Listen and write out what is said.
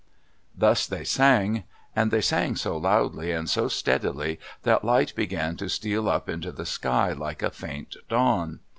Thus they sang. And they sang so loudly and so steadily that light began to steal up into the sky, like a faint dawn.